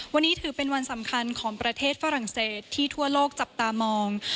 วันนี้ถือเป็นวันสำคัญของประเทศฝรั่งเศสที่ทั่วโลกจับตามอง